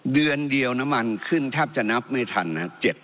เดือนเดียวน้ำมันขึ้นแทบจะนับไม่ทันนะครับ